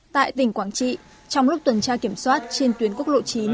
tại tỉnh quảng trị trong lúc tuần tra kiểm soát trên tuyến quốc lộ chín